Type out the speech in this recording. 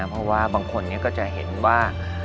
เพราะว่าบางคนก็จะเห็นว่า